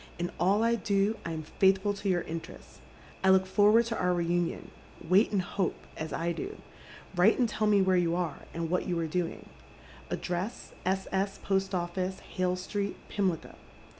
In all I do I am faithfiil to your interests. I look forward to our reunion. Wait and hope, as I do. Write and tell me where you are, and wliat you are doing. — Address, S. S., Post Office, Hale Street, Pimlico."